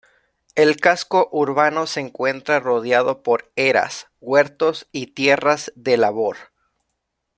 El casco urbano se encuentra rodeado por eras, huertos y tierras de labor.